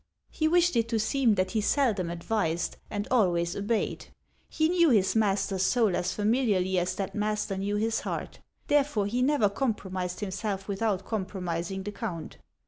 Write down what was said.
He wished it to seem that he seldom advised, and always obeyed. He knew his master's soul as familiarly as that master knew his heart ; therefore he never compromised himself without compromising the count.